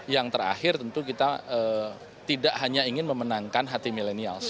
yang terakhir tentu kita tidak hanya ingin memenangkan hati milenial saja